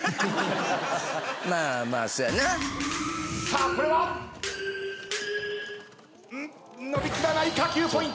さあこれは⁉伸び切らないか？